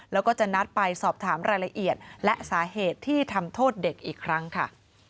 แล้วก็จะนัดไปสอบถามรายละเอียดและสาเหตุที่ทำโทษเด็กอีกครั้งค่ะ